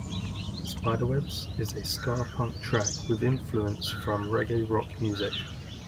"Spiderwebs" is a ska punk track with influence from reggae rock music.